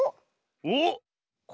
おっ。